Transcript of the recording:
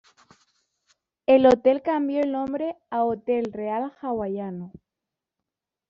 El hotel cambió el nombre a "Hotel Real Hawaiano".